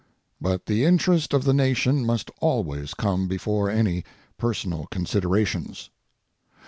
But the interest of the Nation must always come before any personal considerations.